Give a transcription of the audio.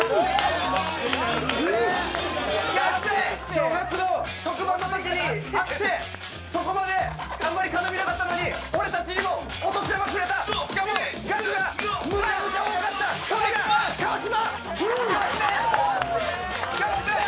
正月の特番のときに会ってそこまであまり絡みなかったのに俺たちにもお年玉くれたしかも額がめちゃくちゃ多かったそれが川島！